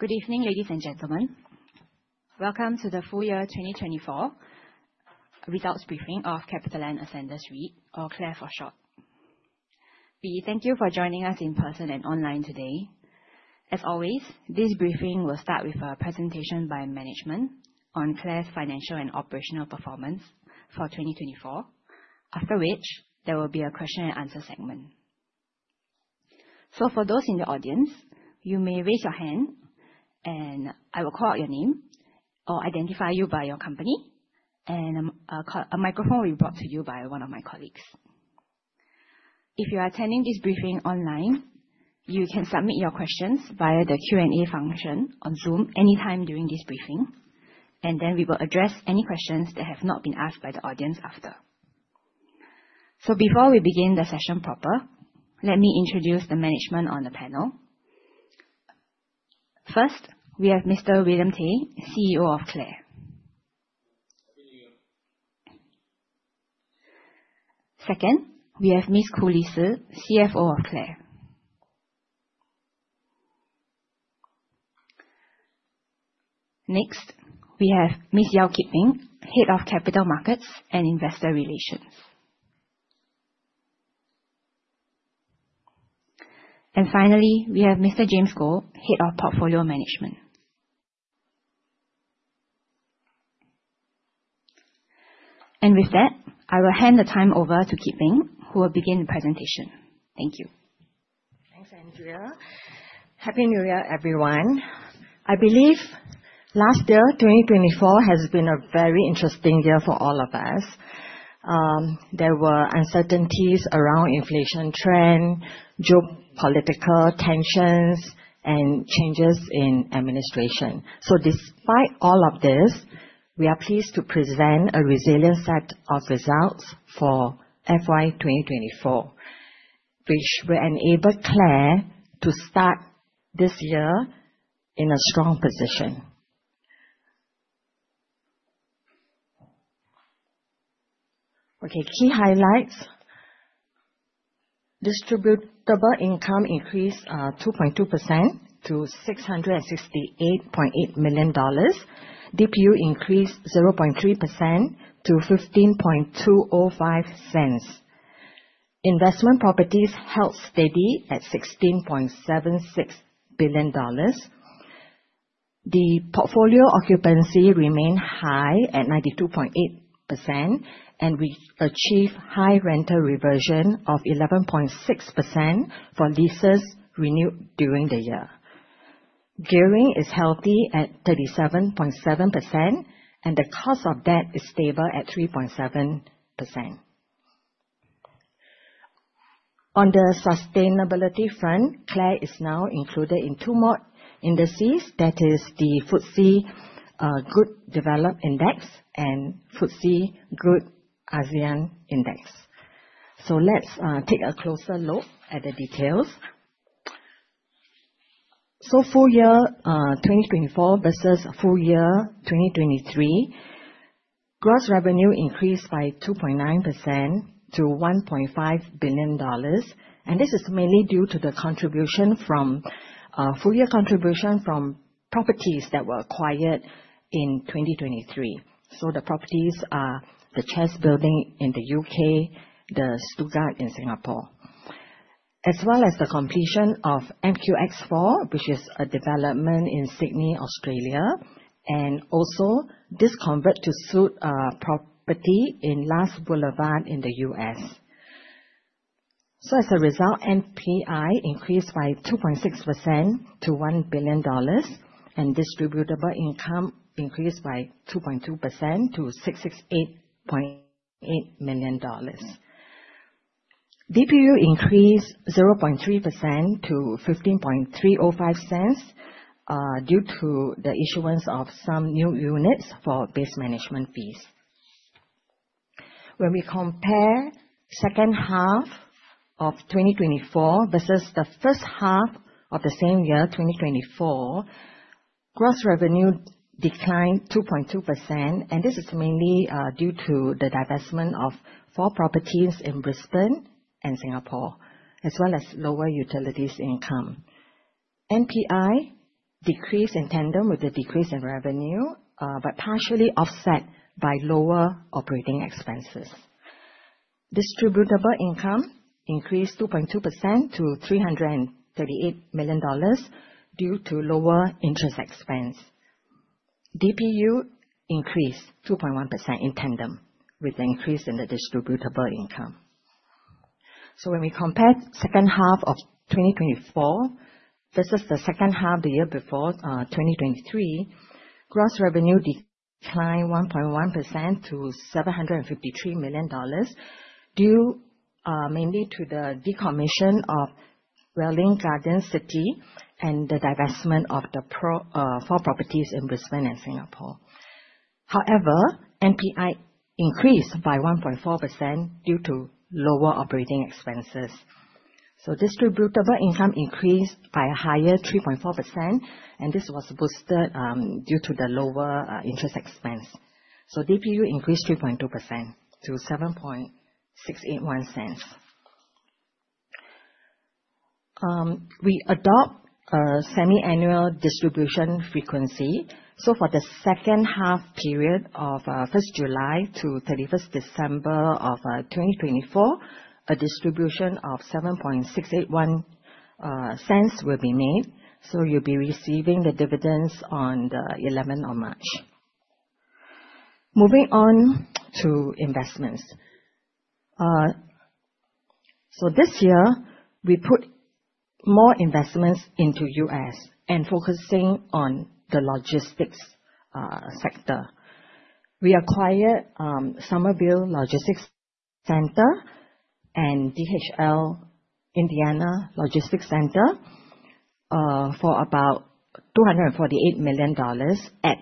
Good evening, ladies and gentlemen. Welcome to the full year 2024 results briefing of CapitaLand Ascendas REIT, or CLAR for short. We thank you for joining us in person and online today. As always, this briefing will start with a presentation by management on CLAR's financial and operational performance for 2024. After which, there will be a question and answer segment. For those in the audience, you may raise your hand and I will call out your name or identify you by your company, and a microphone will be brought to you by one of my colleagues. If you are attending this briefing online, you can submit your questions via the Q&A function on Zoom anytime during this briefing, then we will address any questions that have not been asked by the audience after. Before we begin the session proper, let me introduce the management on the panel. First, we have Mr. William Tay, CEO of CLAR. Good evening. Second, we have Ms. Koo Lee Sze, CFO of CLAR. Next, we have Ms. Yeow Kit Peng, Head of Capital Markets and Investor Relations. Finally, we have Mr. James Goh, Head of Portfolio Management. With that, I will hand the time over to Kit Peng, who will begin the presentation. Thank you. Thanks, Andrea. Happy New Year, everyone. I believe last year, 2024, has been a very interesting year for all of us. There were uncertainties around inflation trend, geopolitical tensions, and changes in administration. Despite all of this, we are pleased to present a resilient set of results for FY 2024, which will enable CLAR to start this year in a strong position. Key highlights. Distributable income increased 2.2% to 668.8 million dollars. DPU increased 0.3% to 0.15205. Investment properties held steady at 16.76 billion dollars. The portfolio occupancy remained high at 92.8%, and we achieved high rental reversion of 11.6% for leases renewed during the year. Gearing is healthy at 37.7%, and the cost of debt is stable at 3.7%. On the sustainability front, CLAR is now included in 2 more indices, that is the FTSE4Good Developed Index and FTSE4Good ASEAN Index. Let's take a closer look at the details. Full year 2024 versus full year 2023, gross revenue increased by 2.9% to 1.5 billion dollars, and this is mainly due to the full year contribution from properties that were acquired in 2023. The properties are the Chess Building in the U.K., the Stuttgart in Singapore. The completion of MQX4, which is a development in Sydney, Australia, and also this convert-to-suit property in LaSalle Boulevard in the U.S. As a result, NPI increased by 2.6% to 1 billion dollars, and distributable income increased by 2.2% to 668.8 million dollars. DPU increased 0.3% to 0.15305, due to the issuance of some new units for base management fees. When we compare second half of 2024 versus the first half of the same year, 2024, gross revenue declined 2.2%, this is mainly due to the divestment of four properties in Brisbane and Singapore, as well as lower utilities income. NPI decreased in tandem with the decrease in revenue, partially offset by lower operating expenses. Distributable income increased 2.2% to 338 million dollars due to lower interest expense. DPU increased 2.1% in tandem with the increase in the distributable income. When we compare second half of 2024 versus the second half the year before, 2023, gross revenue declined 1.1% to 753 million dollars due mainly to the decommission of Welwyn Garden City and the divestment of the four properties in Brisbane and Singapore. However, NPI increased by 1.4% due to lower operating expenses. Distributable income increased by a higher 3.4%, this was boosted due to the lower interest expense. DPU increased 3.2% to 0.07681. We adopt a semiannual distribution frequency. For the second half period of July 1 to December 31 of 2024, a distribution of 0.07681 will be made. You'll be receiving the dividends on March 11. Moving on to investments. This year, we put more investments into U.S. and focusing on the logistics sector. We acquired Summerville Logistics Center and DHL Indianapolis Logistics Center for about $248 million at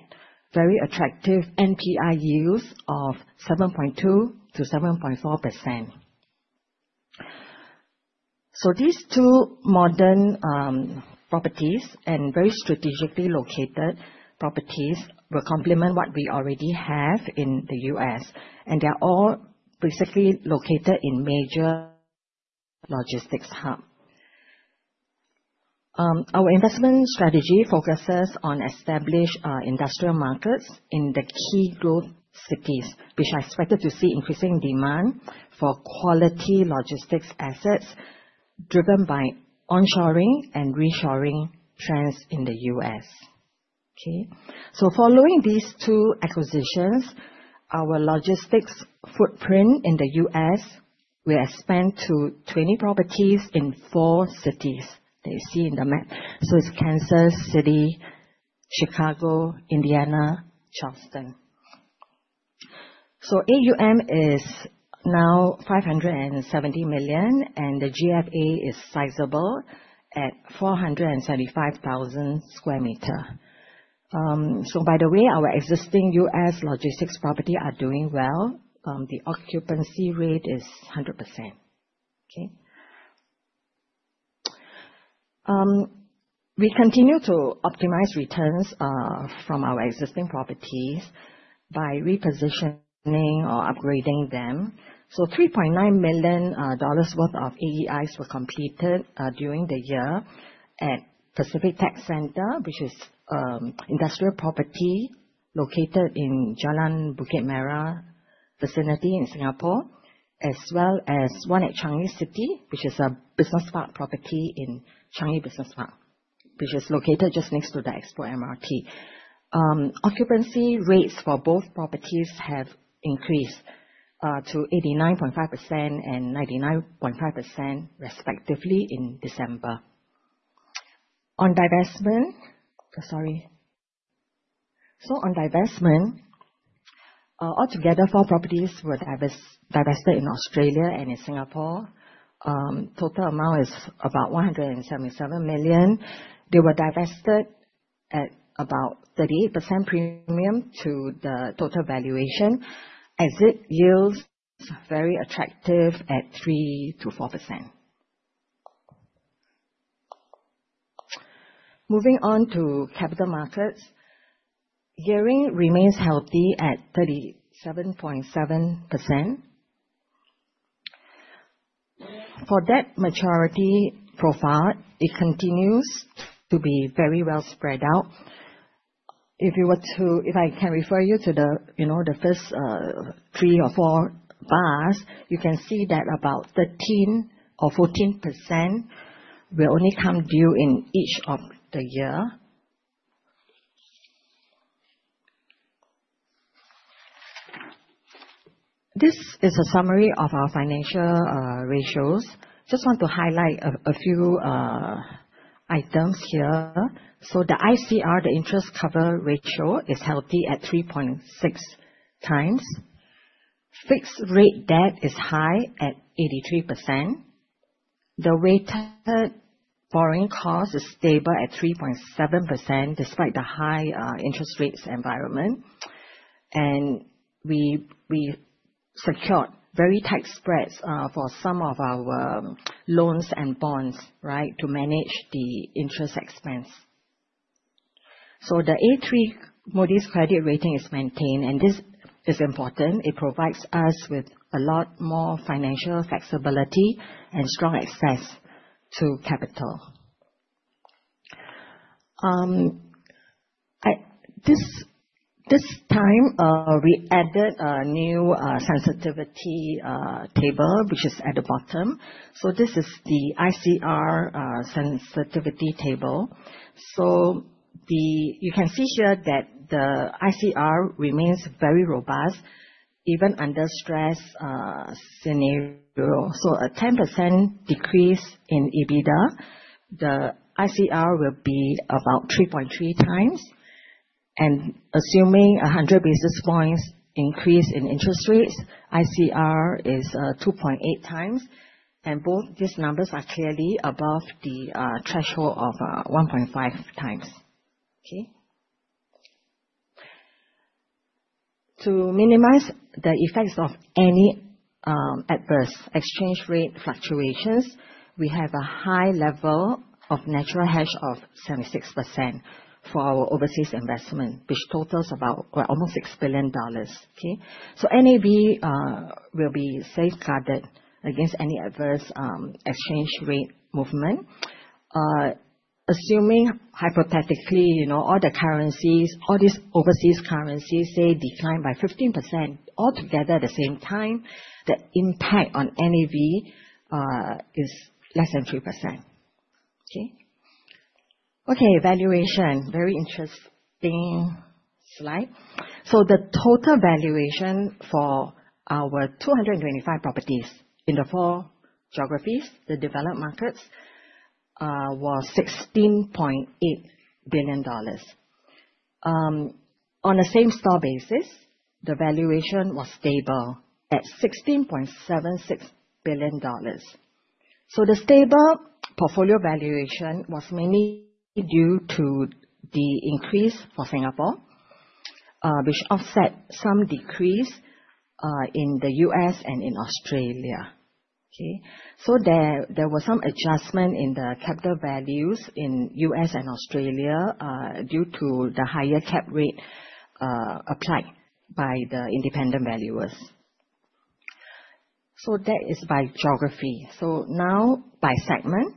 very attractive NPI yields of 7.2%-7.4%. These two modern properties and very strategically located properties will complement what we already have in the U.S., and they're all basically located in major logistics hub. Our investment strategy focuses on established industrial markets in the key growth cities, which are expected to see increasing demand for quality logistics assets driven by onshoring and reshoring trends in the U.S. Following these two acquisitions, our logistics footprint in the U.S. will expand to 20 properties in four cities that you see in the map. It's Kansas City, Chicago, Indianapolis, Charleston. AUM is now 570 million, and the GFA is sizable at 475,000 sq m. By the way, our existing U.S. logistics property are doing well. The occupancy rate is 100%. We continue to optimize returns from our existing properties by repositioning or upgrading them. 3.9 million dollars worth of AEIs were completed during the year at Pacific Tech Centre, which is industrial property located in Jalan Bukit Merah, vicinity in Singapore, as well as one at Changi City, which is a business park property in Changi Business Park, which is located just next to the Expo MRT. Occupancy rates for both properties have increased to 89.5% and 99.5% respectively in December. On divestment. On divestment, altogether four properties were divested in Australia and in Singapore. Total amount is about 177 million. They were divested at about 38% premium to the total valuation. Exit yields very attractive at 3%-4%. Moving on to capital markets. Gearing remains healthy at 37.7%. For debt maturity profile, it continues to be very well spread out. If I can refer you to the first three or four bars, you can see that about 13% or 14% will only come due in each of the year. This is a summary of our financial ratios. Just want to highlight a few items here. The ICR, the interest cover ratio, is healthy at 3.6 times. Fixed rate debt is high at 83%. The weighted borrowing cost is stable at 3.7% despite the high interest rates environment. We secured very tight spreads for some of our loans and bonds, right, to manage the interest expense. The A3 Moody's credit rating is maintained, and this is important. It provides us with a lot more financial flexibility and strong access to capital. This time, we added a new sensitivity table, which is at the bottom. This is the ICR sensitivity table. You can see here that the ICR remains very robust even under stress scenario. A 10% decrease in EBITDA, the ICR will be about 3.3 times, assuming 100 basis points increase in interest rates, ICR is 2.8 times, and both these numbers are clearly above the threshold of 1.5 times. Okay. To minimize the effects of any adverse exchange rate fluctuations We have a high level of natural hedge of 76% for our overseas investment, which totals about almost 6 billion dollars. Okay? NAV will be safeguarded against any adverse exchange rate movement. Assuming hypothetically, all the currencies, all these overseas currencies, say, decline by 15% all together at the same time, the impact on NAV is less than 3%. Okay? Okay, valuation. Very interesting slide. The total valuation for our 225 properties in the four geographies, the developed markets, was 16.8 billion dollars. On the same store basis, the valuation was stable at 16.76 billion dollars. The stable portfolio valuation was mainly due to the increase for Singapore, which offset some decrease in the U.S. and in Australia. Okay? There was some adjustment in the capital values in U.S. and Australia due to the higher cap rate applied by the independent valuers. That is by geography. Now by segment,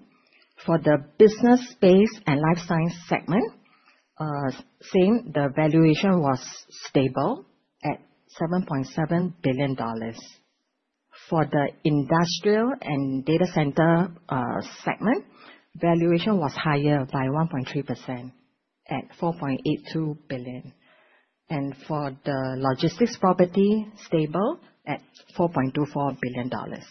for the business space and life science segment, same, the valuation was stable at 7.7 billion dollars. For the industrial and data center segment, valuation was higher by 1.3% at 4.82 billion. For the logistics property, stable at 4.24 billion dollars.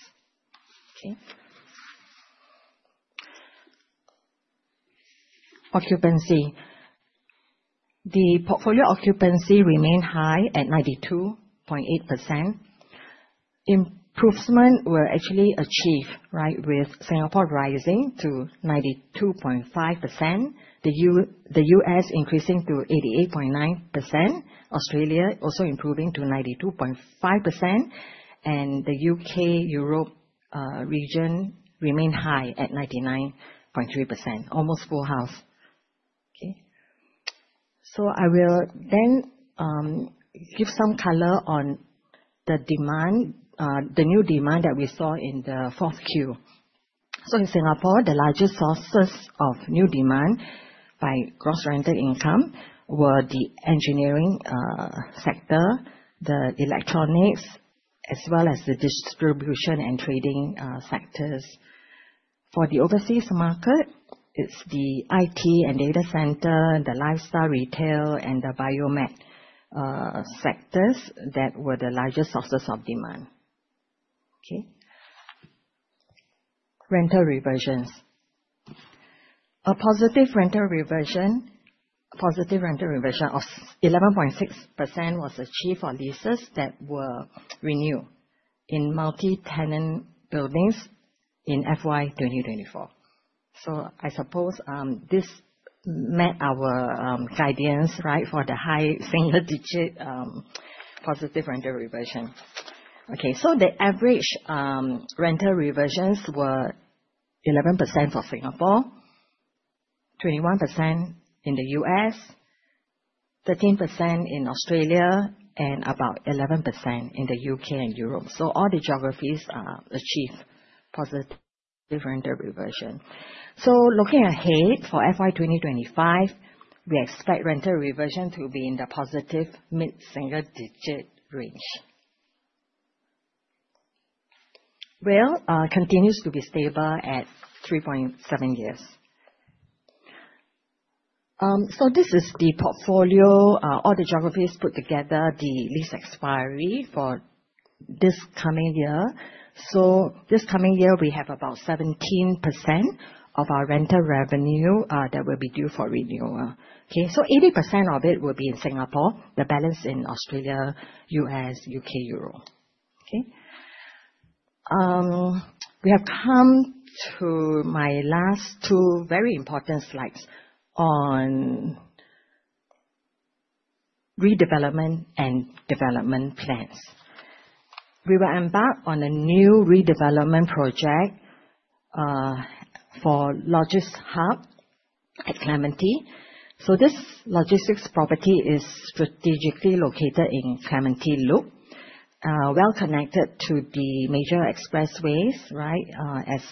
Okay. Occupancy. The portfolio occupancy remained high at 92.8%. Improvement were actually achieved, right, with Singapore rising to 92.5%, the U.S. increasing to 88.9%, Australia also improving to 92.5%, and the U.K., Europe region remain high at 99.3%, almost full house. Okay? I will then give some color on the new demand that we saw in the fourth Q. In Singapore, the largest sources of new demand by gross rented income were the engineering sector, the electronics, as well as the distribution and trading sectors. For the overseas market, it's the IT and data center, the lifestyle retail, and the biomed sectors that were the largest sources of demand. Okay. Rental reversions. A positive rental reversion of 11.6% was achieved for leases that were renewed in multi-tenant buildings in FY 2024. I suppose, this met our guidance, right, for the high single-digit positive rental reversion. Okay, the average rental reversions were 11% for Singapore, 21% in the U.S., 13% in Australia, and about 11% in the U.K. and Europe. All the geographies achieved positive rental reversion. Looking ahead for FY 2025, we expect rental reversion to be in the positive mid-single digit range. WALE continues to be stable at 3.7 years. This is the portfolio, all the geographies put together, the lease expiry for this coming year. This coming year, we have about 17% of our rental revenue that will be due for renewal. 80% of it will be in Singapore, the balance in Australia, U.S., U.K., Europe. We have come to my last two very important slides on redevelopment and development plans. We will embark on a new redevelopment project for LogisHub @ Clementi. This logistics property is strategically located in Clementi Loop, well-connected to the major expressways, right,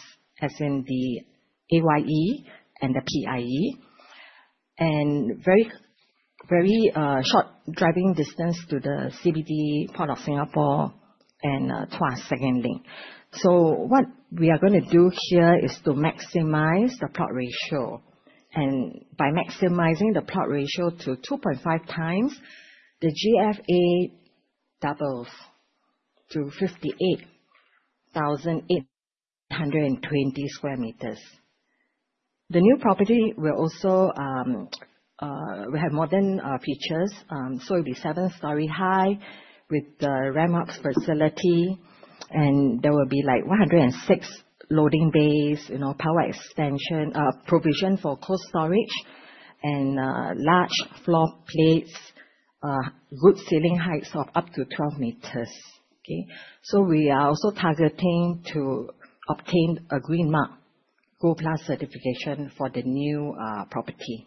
as in the AYE and the PIE. Very short driving distance to the CBD part of Singapore and Tuas Second Link. What we are going to do here is to maximize the plot ratio. By maximizing the plot ratio to 2.5 times, the GFA doubles to 58,820 sq m. The new property, we have modern features. It'll be seven-story high with the ramp access facility, and there will be 106 loading bays, power extension, provision for cold storage. Large floor plates, good ceiling heights of up to 12 m. We are also targeting to obtain a Green Mark GoldPLUS certification for the new property.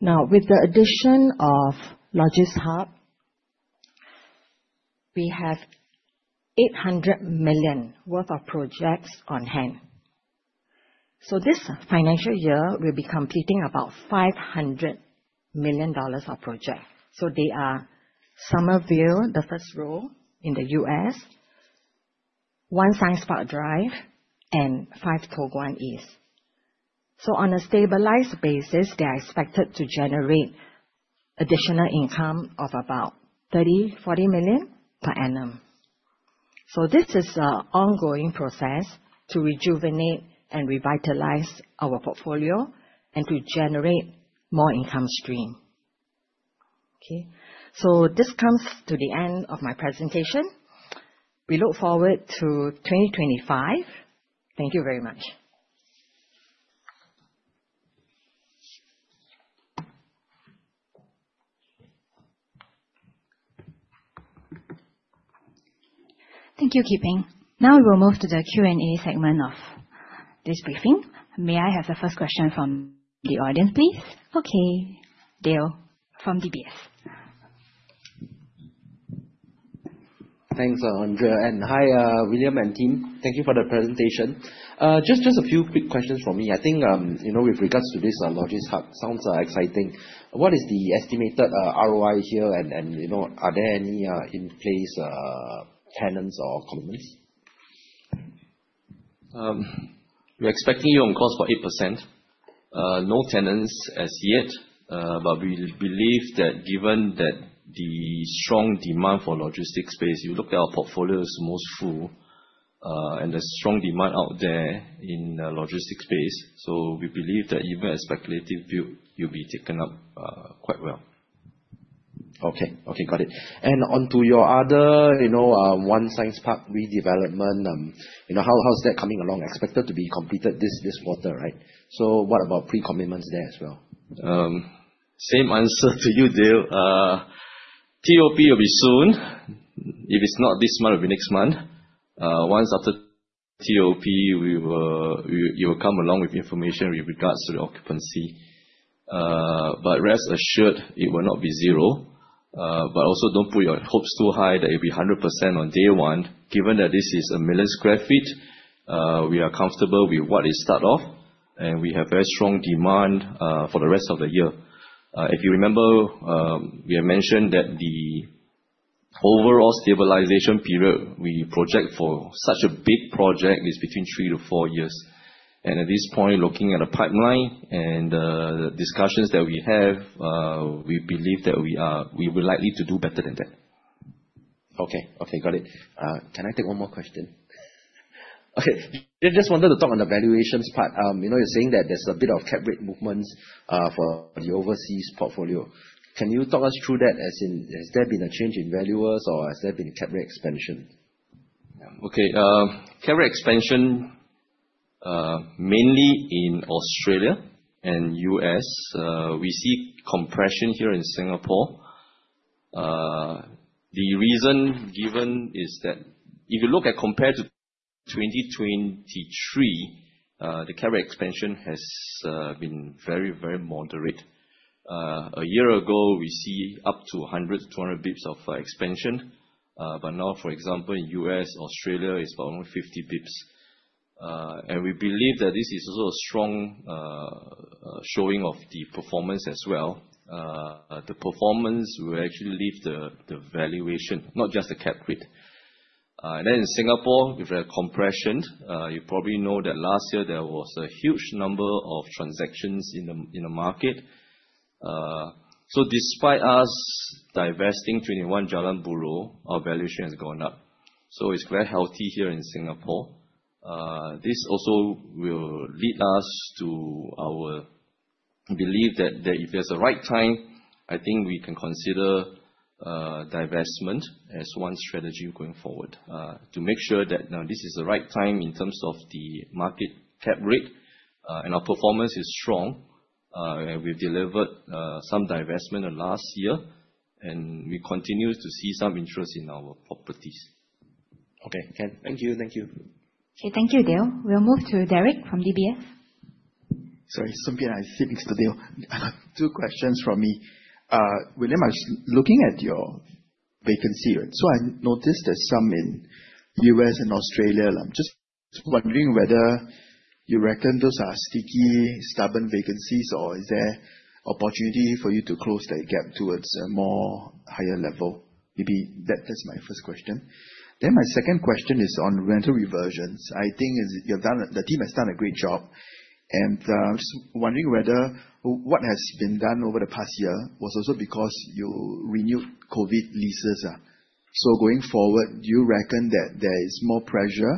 Now, with the addition of LogisHub, we have 800 million worth of projects on-hand. This financial year, we'll be completing about 500 million dollars of project. They are Summerville, the first row in the U.S., 1 Science Park Drive, and 5 Toh Guan East. On a stabilized basis, they are expected to generate additional income of about 30 million-40 million per annum. This is an ongoing process to rejuvenate and revitalize our portfolio and to generate more income stream. This comes to the end of my presentation. We look forward to 2025. Thank you very much. Thank you, Kit Peng. Now we will move to the Q&A segment of this briefing. May I have the first question from the audience, please? Dale from DBS. Thanks, Andrea, hi, William and team. Thank you for the presentation. Just a few quick questions from me. I think, with regards to this LogisHub, sounds exciting. What is the estimated ROI here, and are there any in-place tenants or commitments? We're expecting yield on cost for 8%. No tenants as yet, we believe that given that the strong demand for logistics space, you look at our portfolio is mostly full, and there's strong demand out there in the logistics space. We believe that even a speculative build will be taken up quite well. Okay. Got it. Onto your other 1 Science Park Drive redevelopment, how's that coming along? Expected to be completed this quarter, right? What about pre-commitments there as well? Same answer to you, Dale. TOP will be soon. If it's not this month, it'll be next month. Once after TOP, it will come along with information with regards to the occupancy. Rest assured, it will not be zero. Also don't put your hopes too high that it'll be 100% on day one. Given that this is a million sq ft, we are comfortable with what is started off, and we have very strong demand for the rest of the year. If you remember, we had mentioned that the overall stabilization period we project for such a big project is between 3 to 4 years. At this point, looking at the pipeline and the discussions that we have, we believe that we are likely to do better than that. Okay. Got it. Can I take one more question? Okay. Just wanted to talk on the valuations part. You're saying that there's a bit of cap rate movements for the overseas portfolio. Can you talk us through that? As in, has there been a change in valuers or has there been a cap rate expansion? Okay. Cap rate expansion mainly in Australia and U.S. We see compression here in Singapore. The reason given is that if you look at compared to 2023, the cap rate expansion has been very moderate. A year ago, we see up to 100 to 200 basis points of expansion. Now, for example, in U.S., Australia, it's around 50 basis points. We believe that this is also a strong showing of the performance as well. The performance will actually lead the valuation, not just the cap rate. In Singapore, we've had compression. You probably know that last year there was a huge number of transactions in the market. Despite us divesting 21 Jalan Buruh, our valuation has gone up. It's very healthy here in Singapore. This also will lead us to our belief that if there's a right time, I think we can consider divestment as one strategy going forward, to make sure that this is the right time in terms of the market cap rate. Our performance is strong. We've delivered some divestment last year, and we continue to see some interest in our properties. Okay. Thank you. Okay. Thank you, Dale. We will move to Derek from DBS. Sorry, I sit next to Dale. Two questions from me. William, I was looking at your vacancy rate. I noticed there is some in U.S. and Australia. I am just wondering whether you reckon those are sticky, stubborn vacancies, or is there opportunity for you to close that gap towards a more higher level? Maybe that is my first question. My second question is on rental reversions. I think the team has done a great job, and I am just wondering whether what has been done over the past year was also because you renewed COVID leases. Going forward, do you reckon that there is more pressure?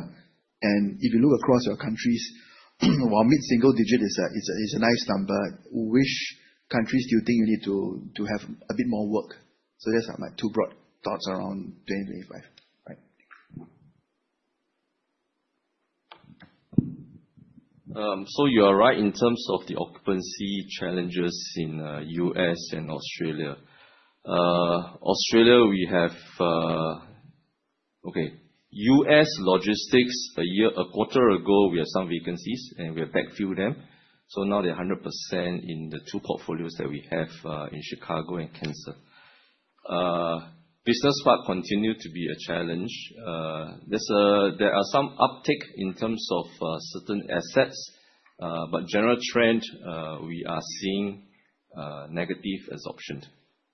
If you look across your countries, while mid-single digit is a nice number, which countries do you think you need to have a bit more work? Those are my two broad thoughts around 2025. Right. You are right in terms of the occupancy challenges in U.S. and Australia. U.S. logistics, a quarter ago, we had some vacancies and we have backfilled them. Now they are 100% in the two portfolios that we have in Chicago and Kansas. Business Park continue to be a challenge. There are some uptick in terms of certain assets. General trend, we are seeing negative absorption.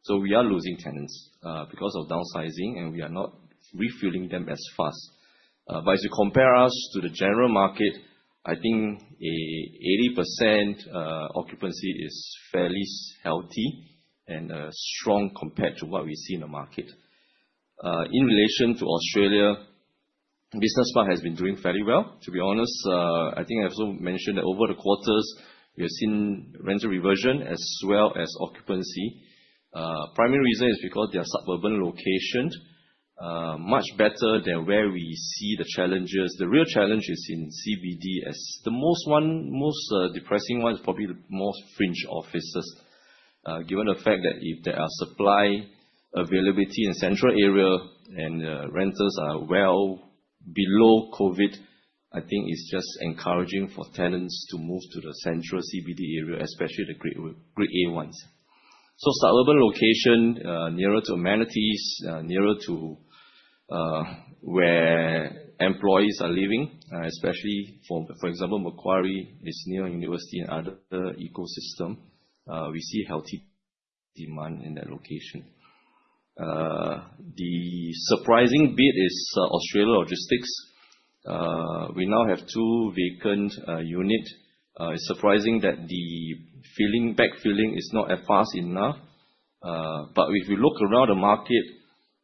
We are losing tenants because of downsizing, and we are not refilling them as fast. If you compare us to the general market, I think a 80% occupancy is fairly healthy and strong compared to what we see in the market. In relation to Australia, Business Park has been doing fairly well. To be honest, I think I also mentioned that over the quarters, we have seen rental reversion as well as occupancy. Primary reason is because their suburban location, much better than where we see the challenges. The real challenge is in CBD as the most depressing one is probably the most fringe offices. Given the fact that if there are supply availability in central area and the rentals are well below COVID, I think it is just encouraging for tenants to move to the central CBD area, especially the grade A ones. Suburban location, nearer to amenities, nearer to where employees are living, especially for example, Macquarie is near university and other ecosystem. We see healthy demand in that location. The surprising bit is Australia logistics. We now have two vacant unit. It is surprising that the backfilling is not as fast enough. If you look around the market,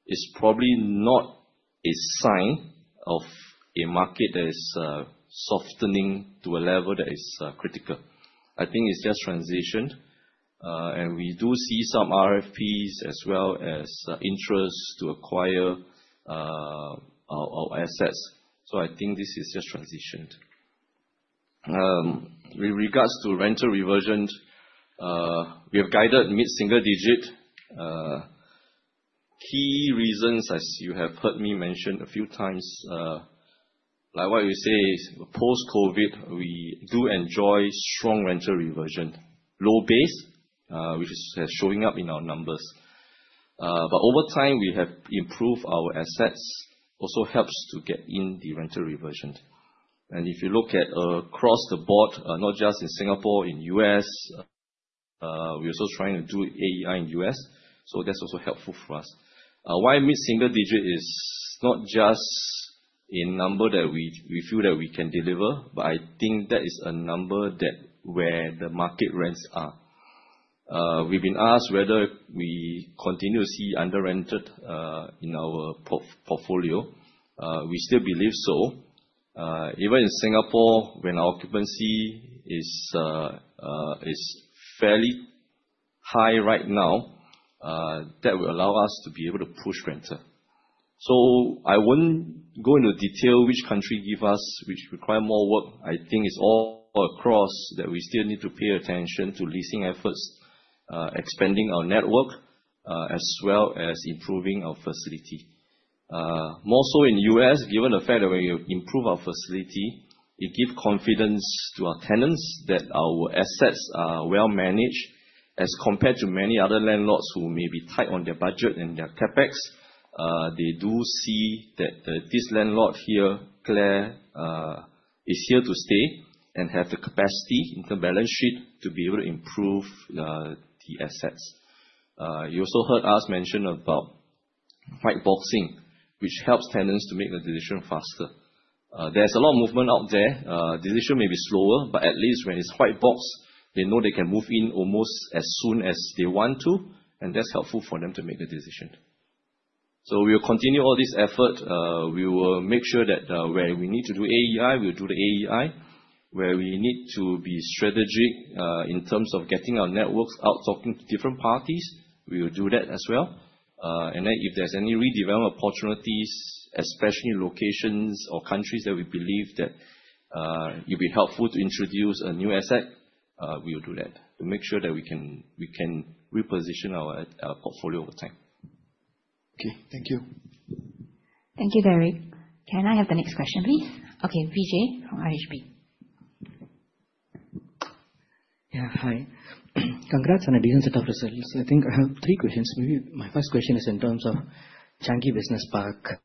it is probably not a sign of a market that is softening to a level that is critical. I think it is just transition. We do see some RFPs as well as interest to acquire our assets. I think this is just transition. With regards to rental reversion, we have guided mid-single digit. Key reasons, as you have heard me mention a few times, like what you say is post-COVID, we do enjoy strong rental reversion, low base which is showing up in our numbers. Over time, we have improved our assets, also helps to get in the rental reversion. If you look at across the board, not just in Singapore, in U.S., we are also trying to do AEI in U.S., so that's also helpful for us. Why mid-single digit is not just a number that we feel that we can deliver, but I think that is a number where the market rents are. We've been asked whether we continue to see under-rented in our portfolio. We still believe so. Even in Singapore, when our occupancy is fairly high right now, that will allow us to be able to push rental. I wouldn't go into detail which country give us, which require more work. I think it's all across that we still need to pay attention to leasing efforts, expanding our network, as well as improving our facility. More so in U.S., given the fact that when you improve our facility, it give confidence to our tenants that our assets are well managed as compared to many other landlords who may be tight on their budget and their CapEx. They do see that this landlord here, CLAR, is here to stay and have the capacity in the balance sheet to be able to improve the assets. You also heard us mention about white boxing, which helps tenants to make the decision faster. There's a lot of movement out there. Decision may be slower, but at least when it's white box, they know they can move in almost as soon as they want to, and that's helpful for them to make a decision. We will continue all this effort. We will make sure that where we need to do AEI, we'll do the AEI. Where we need to be strategic in terms of getting our networks out, talking to different parties, we will do that as well. If there's any redevelop opportunities, especially locations or countries that we believe that it'll be helpful to introduce a new asset, we will do that to make sure that we can reposition our portfolio over time. Okay. Thank you. Thank you, Derek. Can I have the next question, please? Okay, Vijay from RHB. Yeah. Hi. Congrats on a decent set of results. I think I have three questions. Maybe my first question is in terms of Changi Business Park.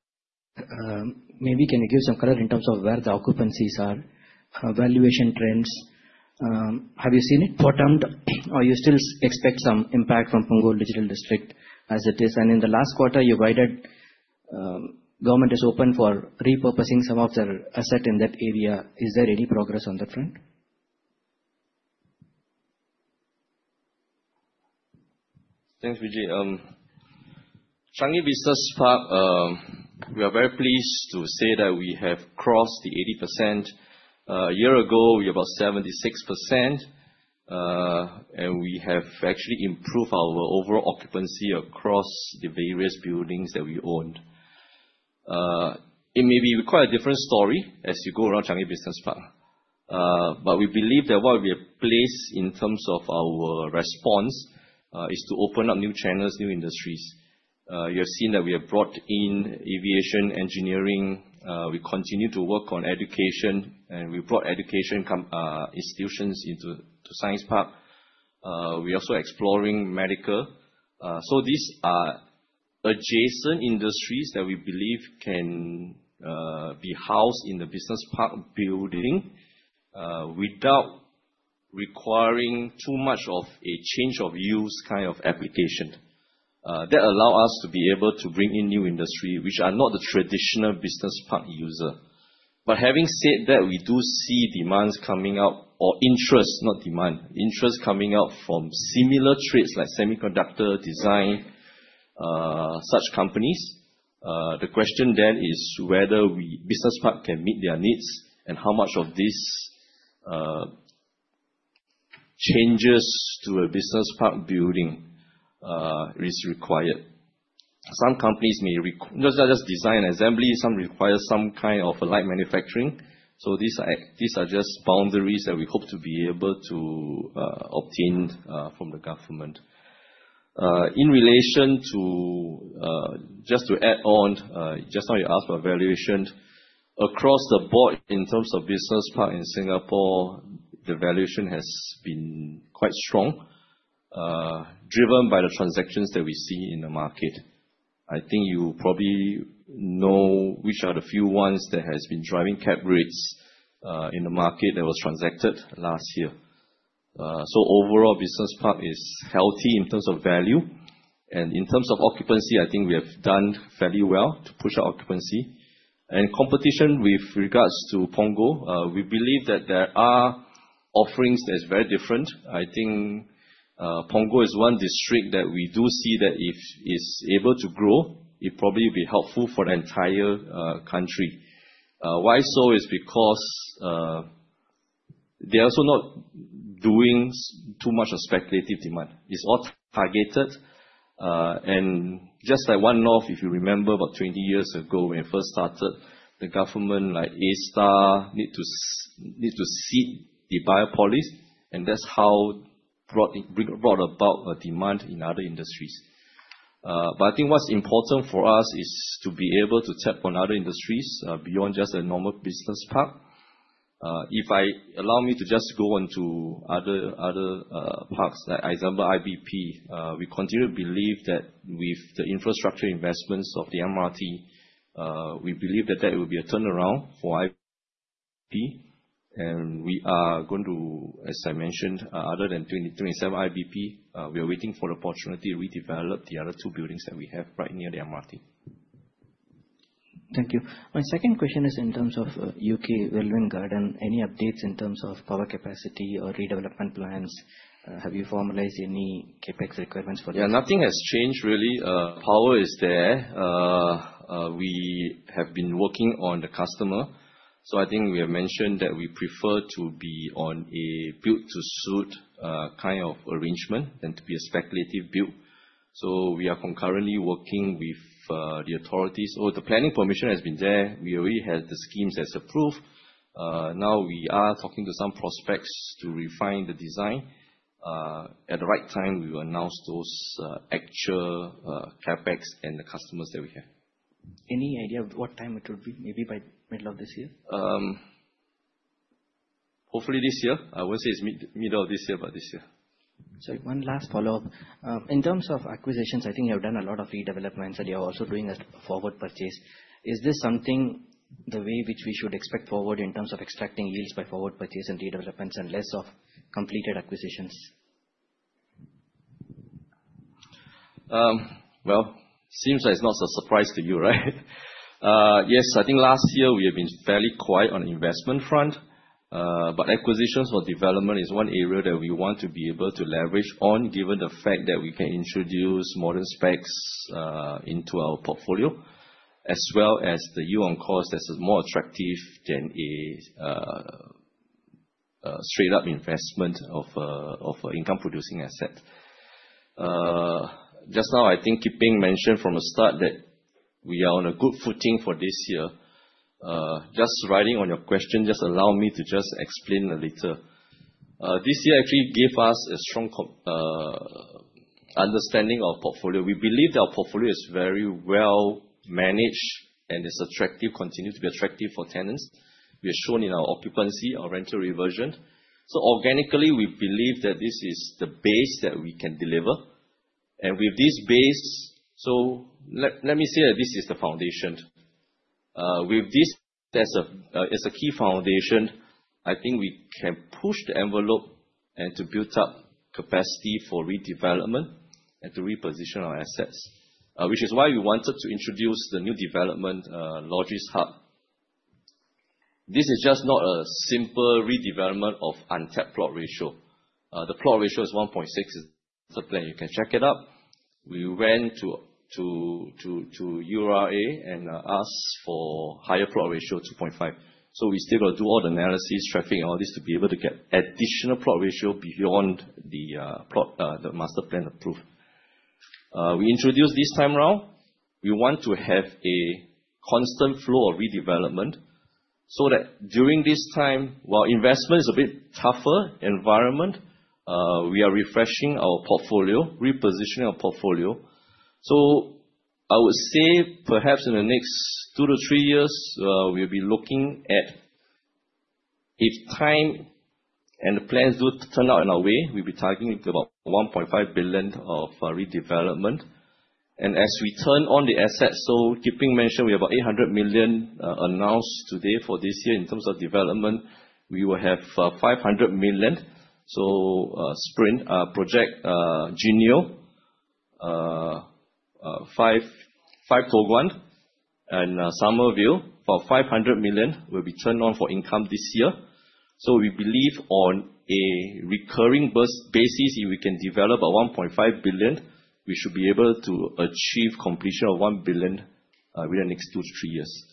Maybe can you give some color in terms of where the occupancies are, valuation trends? Have you seen it bottomed or you still expect some impact from Punggol Digital District as it is? In the last quarter, you guided government is open for repurposing some of their asset in that area. Is there any progress on that front? Thanks, Vijay. Changi Business Park, we are very pleased to say that we have crossed the 80%. A year ago, we were about 76%, and we have actually improved our overall occupancy across the various buildings that we own. It may be quite a different story as you go around Changi Business Park. We believe that what we have placed in terms of our response is to open up new channels, new industries. You have seen that we have brought in aviation engineering. We continue to work on education, and we brought education institutions into Science Park. We are also exploring medical. These are adjacent industries that we believe can be housed in the Business Park building without requiring too much of a change of use kind of application. That allow us to be able to bring in new industry, which are not the traditional business park user. Having said that, we do see demands coming up or interest, not demand. Interest coming up from similar trades like semiconductor design, such companies. The question then is whether business park can meet their needs and how much of these changes to a business park building is required. Some companies may require not just design assembly, some require some kind of a light manufacturing. These are just boundaries that we hope to be able to obtain from the government. In relation to, just to add on, just now you asked for valuation. Across the board in terms of business park in Singapore, the valuation has been quite strong, driven by the transactions that we see in the market. I think you probably know which are the few ones that has been driving cap rates in the market that was transacted last year. Overall, business park is healthy in terms of value. In terms of occupancy, I think we have done fairly well to push our occupancy. Competition with regards to Punggol, we believe that there are offerings that is very different. I think Punggol is one district that we do see that if it's able to grow, it probably be helpful for the entire country. Why so is because they are also not doing too much of speculative demand. It's all targeted. Just like one-north, if you remember, about 20 years ago when it first started, the government, like A*STAR, need to seed the Biopolis, and that's how it brought about a demand in other industries. I think what's important for us is to be able to tap on other industries beyond just a normal business park. Allow me to just go on to other parks, like example, IBP. We continue to believe that with the infrastructure investments of the MRT, we believe that that will be a turnaround for IBP, and we are going to, as I mentioned, other than 27 IBP we are waiting for the opportunity to redevelop the other two buildings that we have right near the MRT. Thank you. My second question is in terms of U.K. Welwyn Garden City, any updates in terms of power capacity or redevelopment plans? Have you formalized any CapEx requirements for this? Nothing has changed really. Power is there. We have been working on the customer, I think we have mentioned that we prefer to be on a built to suit kind of arrangement than to be a speculative build. We are concurrently working with the authorities. The planning permission has been there. We already have the schemes as approved. Now we are talking to some prospects to refine the design. At the right time, we will announce those actual CapEx and the customers that we have. Any idea of what time it will be? Maybe by middle of this year? Hopefully this year. I won't say it's middle of this year, but this year. Sorry, one last follow-up. In terms of acquisitions, I think you have done a lot of redevelopments and you are also doing a forward purchase. Is this something the way which we should expect forward in terms of extracting yields by forward purchase and redevelopments and less of completed acquisitions? Well, seems like it's not a surprise to you, right? Yes, I think last year we have been fairly quiet on investment front. Acquisitions for development is one area that we want to be able to leverage on, given the fact that we can introduce modern specs into our portfolio, as well as the yield on cost that is more attractive than a straight up investment of a income-producing asset. Just now, I think Kip Meng mentioned from the start that we are on a good footing for this year. Just riding on your question, just allow me to just explain a little. This year actually gave us a strong understanding of portfolio. We believe that our portfolio is very well managed and is attractive, continue to be attractive for tenants. We are shown in our occupancy, our rental reversion. organically, we believe that this is the base that we can deliver. With this base, let me say that this is the foundation. With this as a key foundation, I think we can push the envelope and to build up capacity for redevelopment and to reposition our assets. Which is why we wanted to introduce the new development, LogisHub. This is just not a simple redevelopment of untapped plot ratio. The plot ratio is 1.6. It's a plan. You can check it up. We went to URA and asked for higher plot ratio, 2.5, we still got to do all the analysis, tracking, all this to be able to get additional plot ratio beyond the master plan approved. We introduced this time around, we want to have a constant flow of redevelopment so that during this time, while investment is a bit tougher environment, we are refreshing our portfolio, repositioning our portfolio. I would say perhaps in the next 2 to 3 years, we will be looking at if time and the plans do turn out in our way, we will be targeting to about 1.5 billion of redevelopment. As we turn on the assets, Kit Peng mentioned, we have 800 million announced today for this year in terms of development. We will have 500 million. Sprint project, Geneo, 5 Toh Guan, and Summerville for 500 million will be turned on for income this year. We believe on a recurring basis, if we can develop 1.5 billion, we should be able to achieve completion of 1 billion within the next 2 to 3 years.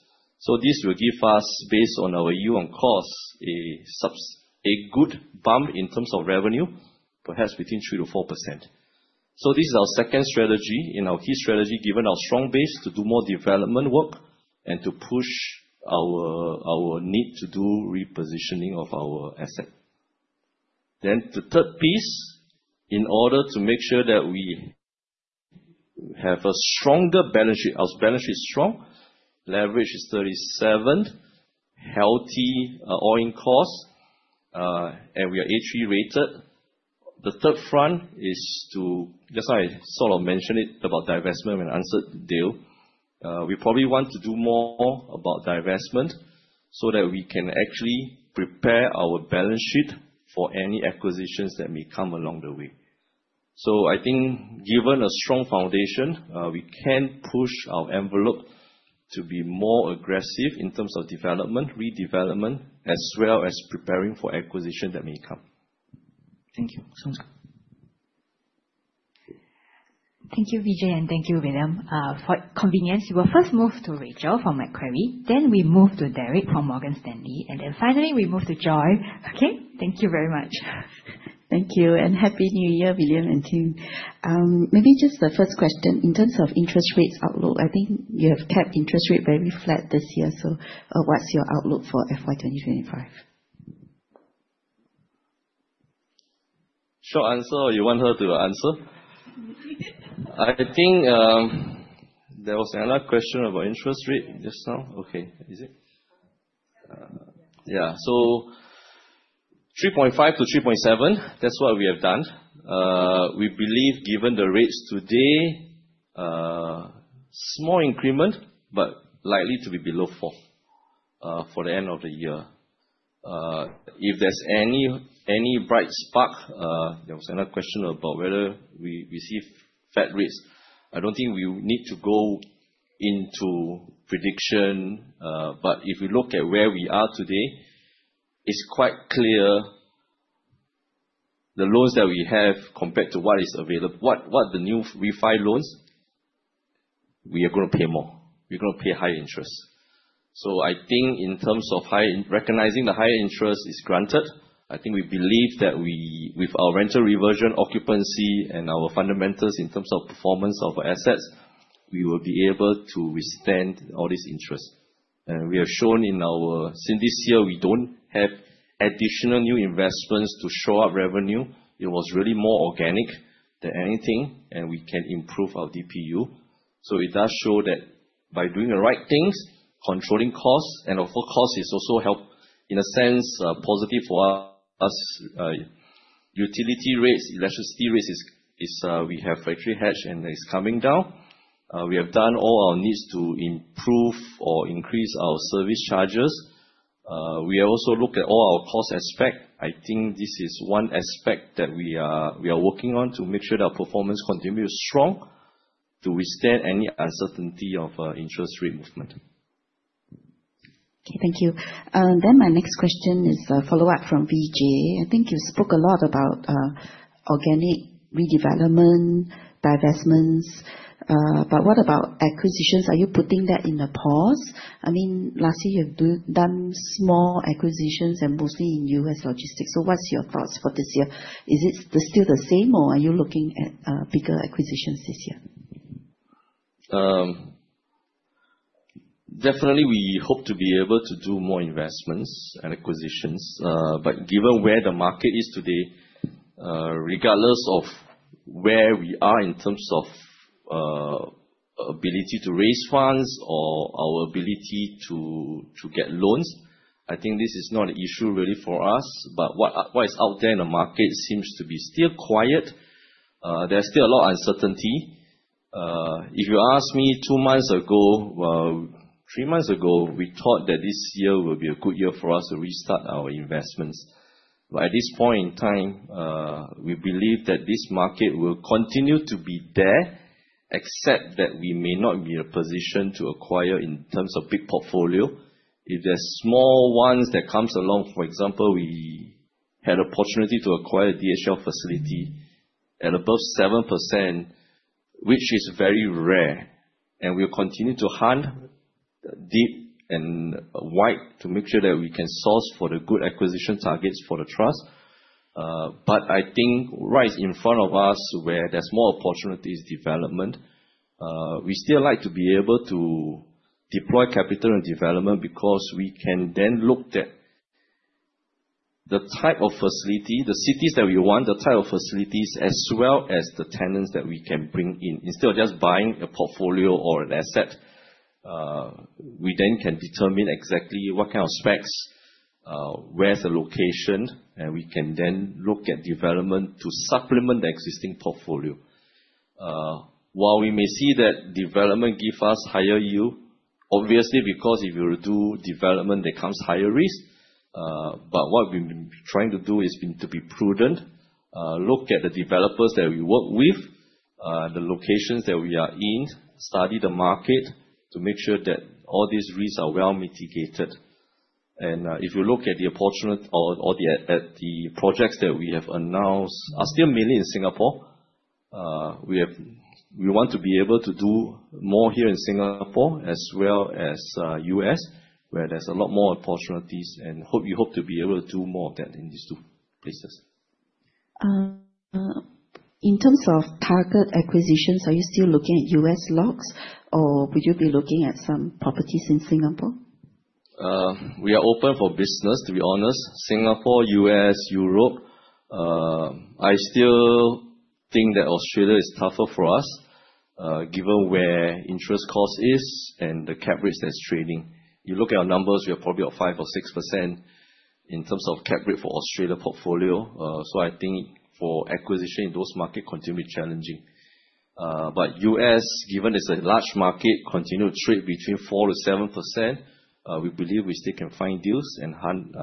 This will give us, based on our yield on cost, a good bump in terms of revenue, perhaps between 3%-4%. This is our second strategy in our key strategy, given our strong base to do more development work and to push our need to do repositioning of our asset. The third piece, in order to make sure that we have a stronger balance sheet. Our balance sheet is strong. Leverage is 37%, healthy all-in costs, and we are A3-rated. The third front is to, just I sort of mentioned it about divestment when answered Dale. We probably want to do more about divestment so that we can actually prepare our balance sheet for any acquisitions that may come along the way. I think given a strong foundation, we can push our envelope to be more aggressive in terms of development, redevelopment, as well as preparing for acquisition that may come. Thank you. Sounds good. Thank you, Vijay, and thank you, William. For convenience, we will first move to Rachel from Macquarie. We move to Derek from Morgan Stanley. Finally, we move to Joy. Okay? Thank you very much. Thank you. Happy New Year, William and team. Maybe just the first question, in terms of interest rates outlook, I think you have kept interest rate very flat this year. What's your outlook for FY 2025? Short answer or you want her to answer? I think there was another question about interest rate just now. Okay. Is it? Yeah. 3.5 to 3.7, that's what we have done. We believe given the rates today, small increment, but likely to be below four for the end of the year. If there's any bright spark, there was another question about whether we receive Fed rates. I don't think we need to go into prediction. If we look at where we are today, it's quite clear the loans that we have compared to what is available, what the new refi loans, we are going to pay more. We're going to pay high interest. I think in terms of recognizing the higher interest is granted, I think we believe that with our rental reversion occupancy and our fundamentals in terms of performance of our assets, we will be able to withstand all this interest. We have shown in our since this year, we don't have additional new investments to show up revenue. It was really more organic than anything, and we can improve our DPU. It does show that by doing the right things, controlling costs, and of course, it also help in a sense, positive for us. Utility rates, electricity rates, we have actually hedged, and it's coming down. We have done all our needs to improve or increase our service charges. We also look at all our cost aspect. I think this is one aspect that we are working on to make sure that our performance continues strong to withstand any uncertainty of interest rate movement. Okay. Thank you. My next question is a follow-up from Vijay. I think you spoke a lot about organic redevelopment, divestments, what about acquisitions? Are you putting that in the pause? Last year you have done small acquisitions and mostly in U.S. logistics. What's your thoughts for this year? Is it still the same, or are you looking at bigger acquisitions this year? Definitely, we hope to be able to do more investments and acquisitions. Given where the market is today, regardless of where we are in terms of ability to raise funds or our ability to get loans, I think this is not an issue really for us. What is out there in the market seems to be still quiet. There's still a lot of uncertainty. If you ask me two months ago, three months ago, we thought that this year will be a good year for us to restart our investments. At this point in time, we believe that this market will continue to be there except that we may not be in a position to acquire in terms of big portfolio. If there are small ones that comes along, for example, we had opportunity to acquire DHL facility at above 7%, which is very rare. We'll continue to hunt deep and wide to make sure that we can source for the good acquisition targets for the trust. I think right in front of us, where there's more opportunities, development, we still like to be able to deploy capital in development because we can then look at the type of facility, the cities that we want, the type of facilities, as well as the tenants that we can bring in. Instead of just buying a portfolio or an asset, we then can determine exactly what kind of specs, where's the location. We can then look at development to supplement the existing portfolio. While we may see that development give us higher yield, obviously because if you were to do development, there comes higher risk. What we've been trying to do is to be prudent, look at the developers that we work with, the locations that we are in, study the market to make sure that all these risks are well mitigated. If you look at the projects that we have announced are still mainly in Singapore. We want to be able to do more here in Singapore as well as U.S. where there's a lot more opportunities, and we hope to be able to do more of that in these two places. In terms of target acquisitions, are you still looking at U.S. logs or would you be looking at some properties in Singapore? We are open for business, to be honest, Singapore, U.S., Europe. I still think that Australia is tougher for us, given where interest cost is and the cap rates that's trading. You look at our numbers, we are probably at 5% or 6% in terms of cap rate for Australia portfolio. I think for acquisition in those market continue to be challenging. U.S., given it's a large market, continue to trade between 4% to 7%, we believe we still can find deals and hunt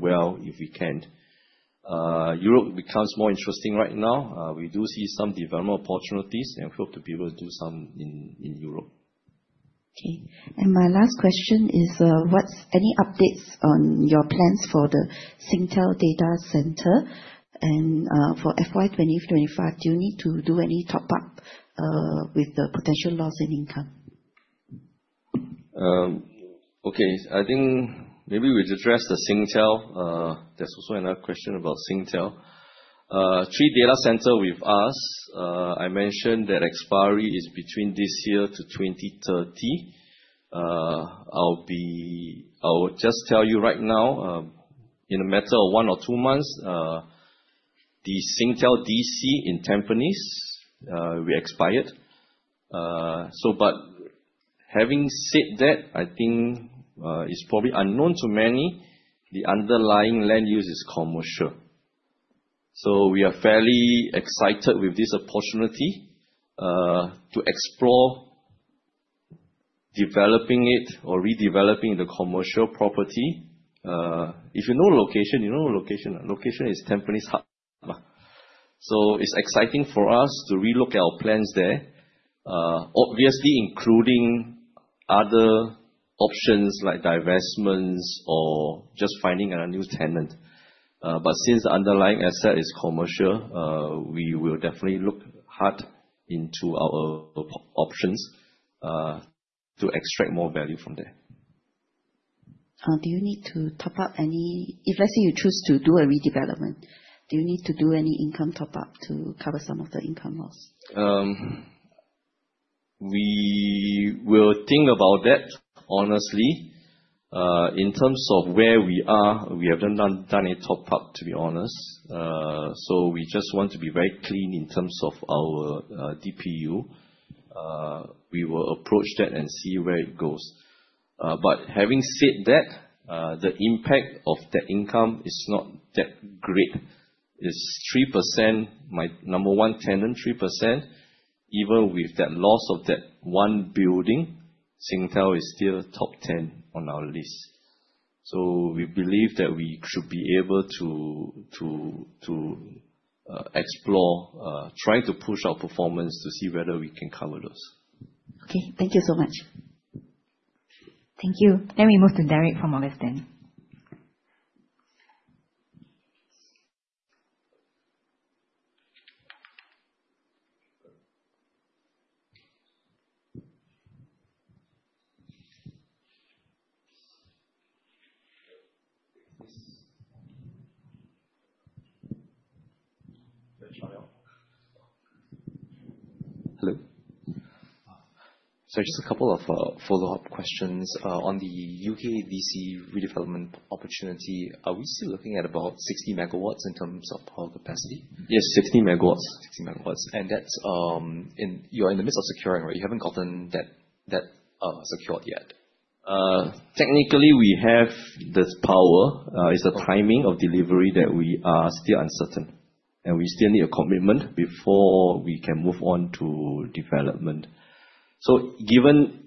well if we can. Europe becomes more interesting right now. We do see some development opportunities and hope to be able to do some in Europe. Okay. My last question is, any updates on your plans for the Singtel data center and, for FY 2025, do you need to do any top-up with the potential loss in income? Okay. I think maybe we've addressed the Singtel. There's also another question about Singtel. 3 data center with us, I mentioned that expiry is between this year to 2030. I will just tell you right now, in a matter of one or two months, the Singtel DC in Tampines will be expired. Having said that, I think it's probably unknown to many, the underlying land use is commercial. We are fairly excited with this opportunity to explore developing it or redeveloping the commercial property. If you know location, you know our location. Location is Tampines Hub. It's exciting for us to relook at our plans there, obviously including other options like divestments or just finding another new tenant. Since underlying asset is commercial, we will definitely look hard into our options to extract more value from there. Do you need to top up? If let's say you choose to do a redevelopment, do you need to do any income top-up to cover some of the income loss? We will think about that, honestly. In terms of where we are, we haven't done any top-up, to be honest. We just want to be very clean in terms of our DPU. We will approach that and see where it goes. Having said that, the impact of that income is not that great. It's 3%, my number 1 tenant, 3%. Even with that loss of that 1 building, Singtel is still top 10 on our list. We believe that we should be able to explore, try to push our performance to see whether we can cover those. Okay. Thank you so much. Thank you. We move to Derek from Morgan Stanley. Hello. Just a couple of follow-up questions. On the U.K. DC redevelopment opportunity, are we still looking at about 60 megawatts in terms of power capacity? Yes, 60 megawatts. 60 MW. You are in the midst of securing, right? You haven't gotten that secured yet. Technically, we have the power. It's the timing of delivery that we are still uncertain, and we still need a commitment before we can move on to development. You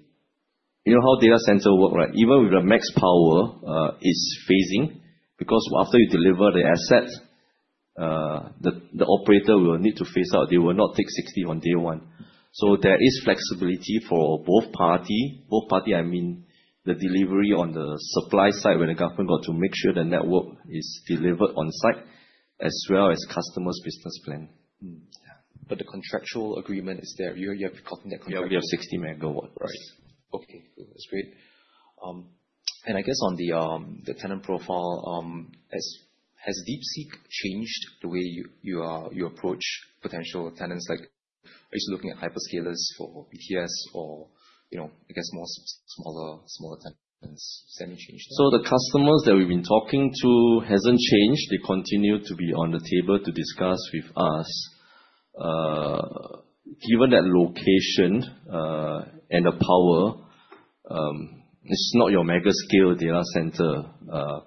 know how data center work, right? Even with the max power, it's phasing, because after you deliver the asset, the operator will need to phase out. They will not take 60 on day one. There is flexibility for both party. Both party, I mean, the delivery on the supply side, when the government got to make sure the network is delivered on site, as well as customer's business plan. Yeah. The contractual agreement is there. You have to confirm that. Yeah, we have 60 MW. Right. Okay, good. That is great. I guess on the tenant profile, has DeepSeek changed the way you approach potential tenants? Are you still looking at hyperscalers for BTS or, I guess, more smaller tenants? Has anything changed there? The customers that we have been talking to has not changed. They continue to be on the table to discuss with us. Given that location, and the power, it is not your mega-scale data center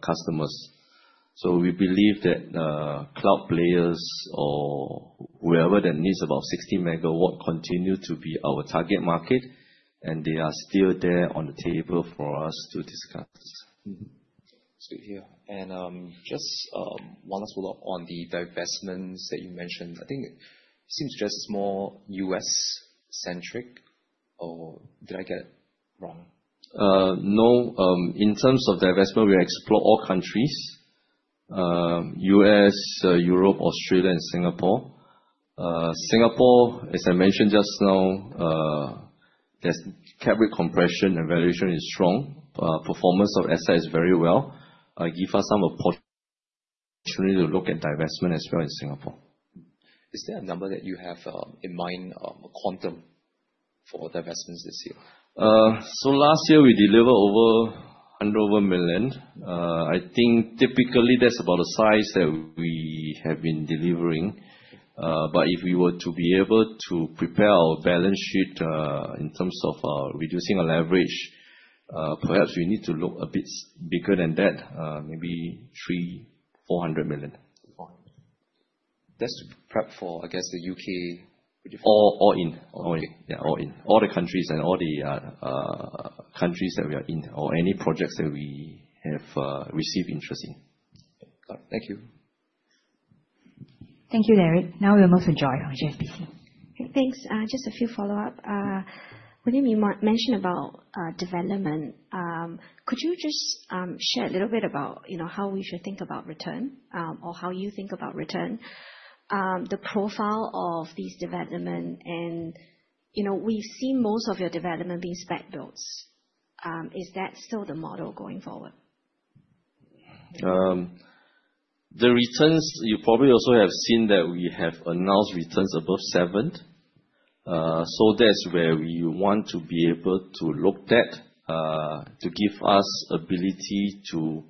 customers. We believe that cloud players or whoever that needs about 60 MW continue to be our target market, and they are still there on the table for us to discuss. Mm-hmm. Sweet. Yeah. Just one follow-up on the divestments that you mentioned. I think it seems just more U.S.-centric or did I get it wrong? No. In terms of divestment, we explore all countries, U.S., Europe, Australia, and Singapore. Singapore, as I mentioned just now, there is cap rate compression and valuation is strong. Performance of asset is very well, give us some opportunity to look at divestment as well in Singapore. Is there a number that you have in mind of a quantum for divestments this year? Last year we delivered over 100 million. I think typically that's about the size that we have been delivering. But if we were to be able to prepare our balance sheet, in terms of reducing our leverage, perhaps we need to look a bit bigger than that, maybe 300 million, 400 million. 400 million. That's prep for, I guess, the U.K.- All in. All in. Yeah, all in. All the countries that we are in or any projects that we have received interest in. Got it. Thank you. Thank you, Derek. We'll move to Joy from HSBC. Thanks. Just a few follow-ups. William, you mentioned about development. Could you just share a little bit about how we should think about return? Or how you think about return, the profile of these developments. We've seen most of your development being spec builds. Is that still the model going forward? The returns, you probably also have seen that we have announced returns above 7%. That's where we want to be able to look at, to give us ability to,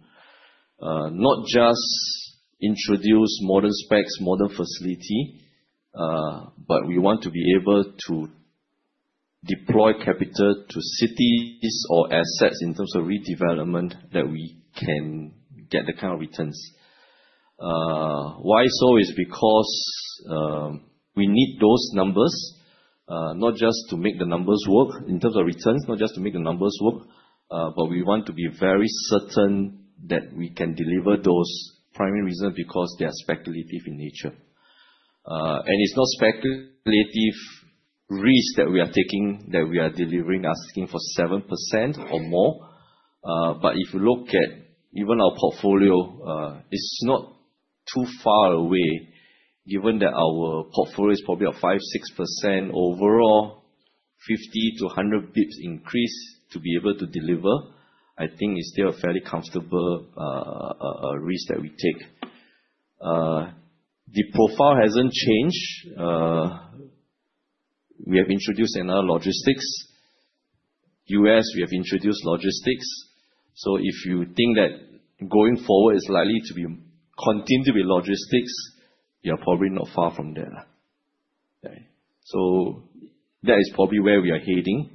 not just introduce modern specs, modern facilities, but we want to be able to deploy capital to cities or assets in terms of redevelopment that we can get the kind of returns. Why so? It is because we need those numbers, not just to make the numbers work in terms of returns, not just to make the numbers work, but we want to be very certain that we can deliver those. The primary reason because they are speculative in nature. It's not speculative risk that we are taking, that we are delivering, asking for 7% or more. If you look at even our portfolio, it's not too far away given that our portfolio is probably a 5%, 6% overall 50 to 100 basis points increase to be able to deliver. I think it's still a fairly comfortable risk that we take. The profile has not changed. We have introduced another logistics. U.S., we have introduced logistics. If you think that going forward it's likely to continue to be logistics, you're probably not far from there. Okay. That is probably where we are heading.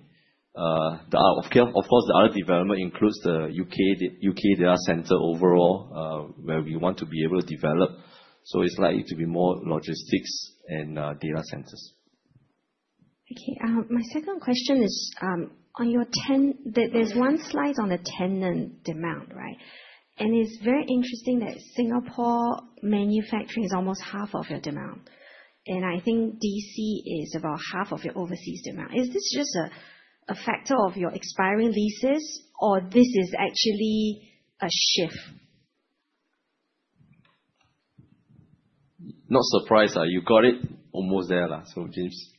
Of course, the other development includes the U.K. data center overall, where we want to be able to develop. It's likely to be more logistics and data centers. Okay. My second question is, there's one slide on the tenant demand, right? It's very interesting that Singapore manufacturing is almost half of your demand. I think data center is about half of your overseas demand. Is this just a factor of your expiring leases, or this is actually a shift? Not surprised. You got it almost there. James.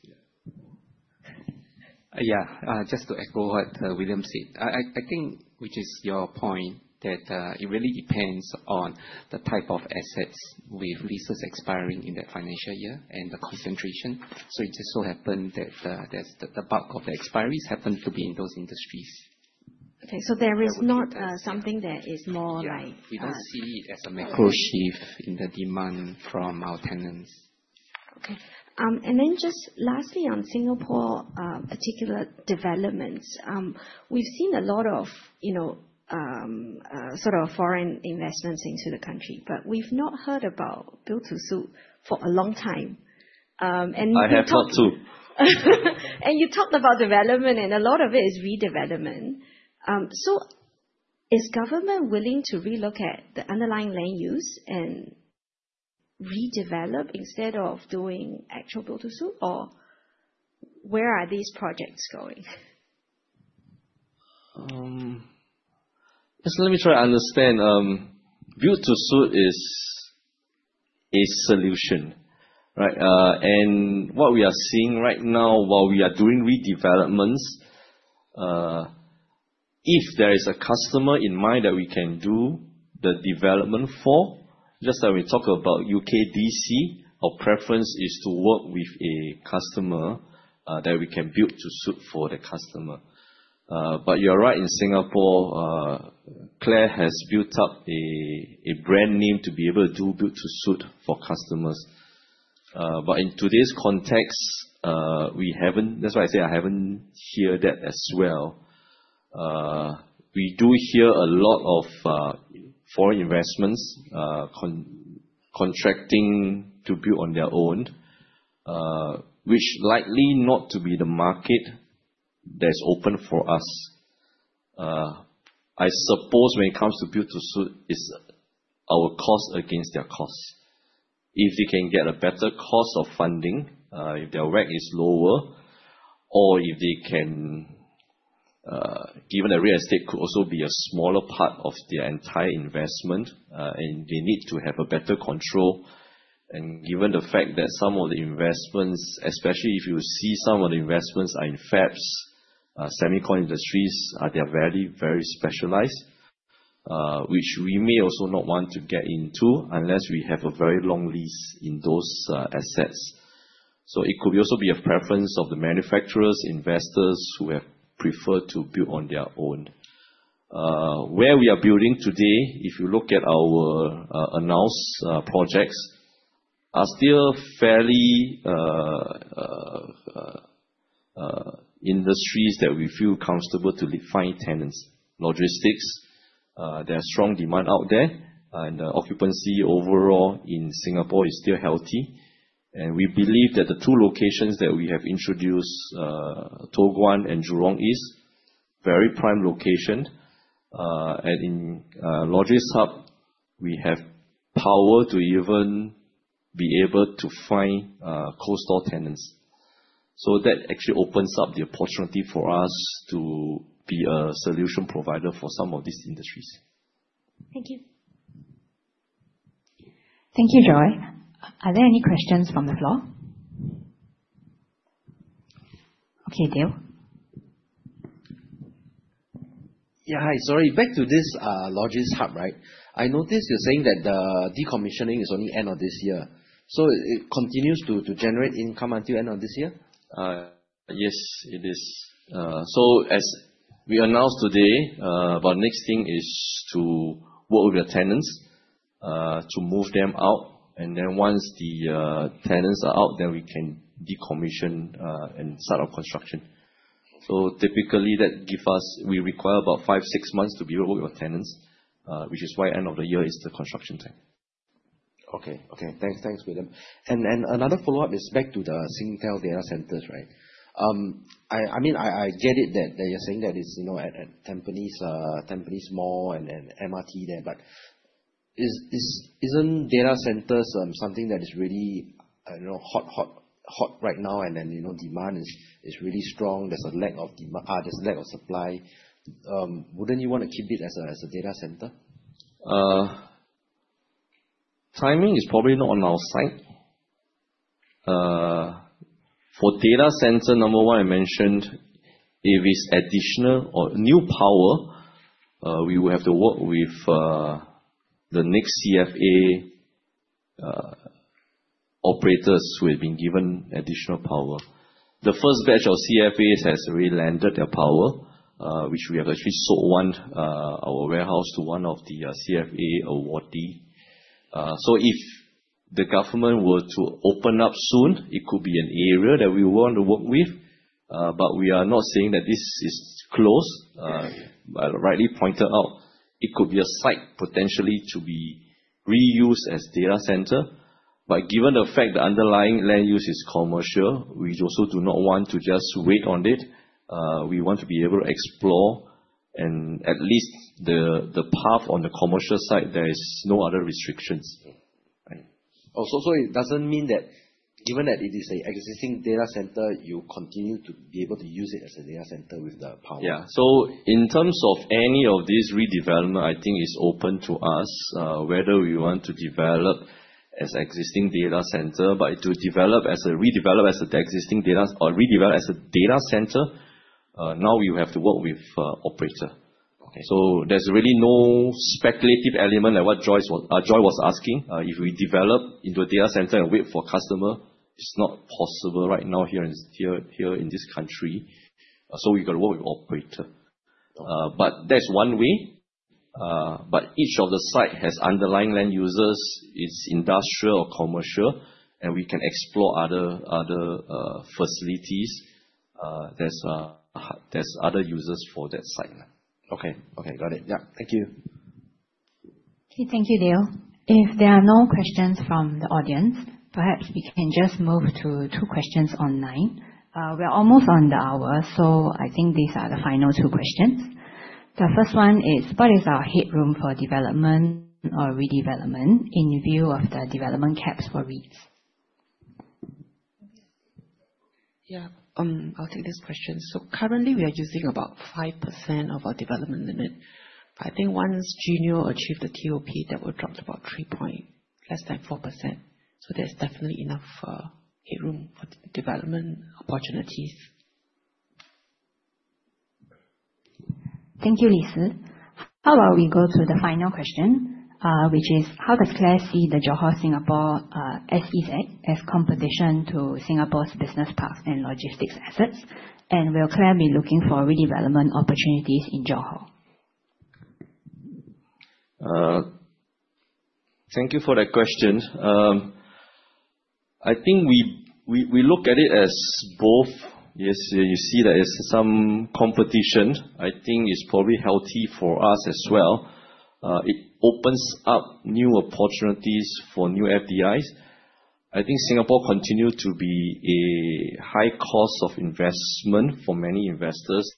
Yeah. Just to echo what William said. I think, which is your point that it really depends on the type of assets with leases expiring in that financial year and the concentration. It just so happened that the bulk of the expiries happen to be in those industries. Okay. There is not something that is more like. Yeah. We don't see it as a macro shift in the demand from our tenants. Okay. Then just lastly on Singapore particular developments. We've seen a lot of foreign investments into the country, but we've not heard about Build-to-Suit for a long time. You talked. I have talked too. You talked about development and a lot of it is redevelopment. Is government willing to re-look at the underlying land use and redevelop instead of doing actual Build-to-Suit? Or where are these projects going? Just let me try to understand. Build-to-Suit is a solution, right? What we are seeing right now while we are doing redevelopments, if there is a customer in mind that we can do the development for, just like we talk about UKDC, our preference is to work with a customer that we can Build-to-Suit for the customer. You are right, in Singapore, CLAR has built up a brand name to be able to do Build-to-Suit for customers. In today's context, that's why I say I haven't hear that as well. We do hear a lot of foreign investments contracting to build on their own which likely not to be the market that's open for us. I suppose when it comes to Build-to-Suit, it's our cost against their cost. If they can get a better cost of funding, if their WACC is lower, or given the real estate could also be a smaller part of their entire investment, and they need to have a better control. Given the fact that some of the investments, especially if you see some of the investments are in fabs, semiconductor industries, they are very specialized, which we may also not want to get into unless we have a very long lease in those assets. It could also be a preference of the manufacturers, investors who have preferred to build on their own. Where we are building today, if you look at our announced projects, are still fairly industries that we feel comfortable to find tenants. Logistics, there are strong demand out there, and the occupancy overall in Singapore is still healthy. We believe that the two locations that we have introduced, Toh Guan and Jurong East, very prime location. In LogisHub, we have power to even be able to find cold-store tenants. That actually opens up the opportunity for us to be a solution provider for some of these industries. Thank you. Thank you, Joy. Are there any questions from the floor? Okay, Dale. Hi. Sorry, back to this LogisHub, right? I noticed you're saying that the decommissioning is only end of this year. It continues to generate income until end of this year? Yes, it is. As we announced today, our next thing is to work with the tenants to move them out, then once the tenants are out, then we can decommission and start our construction. Typically, we require about five, six months to be able to work with tenants, which is why end of the year is the construction time. Okay. Thanks, William. Another follow-up is back to the Singtel data centers, right? I get it that you're saying that it's at Tampines Mall and MRT there, isn't data centers something that is really hot right now then demand is really strong. There's a lack of supply. Wouldn't you want to keep it as a data center? Timing is probably not on our side. For data center, number 1, I mentioned if it's additional or new power, we will have to work with the next CFA operators who have been given additional power. The first batch of CFAs has already landed their power, which we have actually sold our warehouse to one of the CFA awardee. If the government were to open up soon, it could be an area that we want to work with. We are not saying that this is closed. Rightly pointed out, it could be a site potentially to be reused as data center. Given the fact the underlying land use is commercial, we also do not want to just wait on it. We want to be able to explore and at least the path on the commercial side, there is no other restrictions. It doesn't mean that given that it is existing data center, you continue to be able to use it as a data center with the power. Yeah. In terms of any of this redevelopment, I think it's open to us, whether we want to develop as existing data center. To redevelop as a data center, now we have to work with operator. Okay. There's really no speculative element like what Joy was asking. If we develop into a data center and wait for customer, it's not possible right now here in this country. We got to work with operator. That's one way. Each of the site has underlying land uses. It's industrial or commercial, and we can explore other facilities. There's other uses for that site now. Okay. Got it. Yeah. Thank you. Okay, thank you, Dale. If there are no questions from the audience, perhaps we can just move to two questions online. We are almost on the hour. I think these are the final two questions. The first one is, what is our headroom for development or redevelopment in view of the development caps for REITs? I'll take this question. Currently we are using about 5% of our development limit. I think once Juno achieve the TOP, that will drop to about less than 4%. There's definitely enough headroom for development opportunities. Thank you, Lee Sze. How about we go to the final question, which is, how does CLAR see the Johor-Singapore SEZ as competition to Singapore's business parks and logistics assets? Will CLAR be looking for redevelopment opportunities in Johor? Thank you for that question. I think we look at it as both. Yes, you see there is some competition. I think it's probably healthy for us as well. It opens up new opportunities for new FDIs. I think Singapore continue to be a high cost of investment for many investors